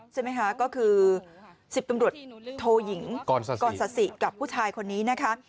ใช่ไหมคะก็คือ๑๐ตำรวจโทยิงกรสสิกับผู้ชายคนนี้นะคะ